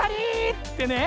ってね。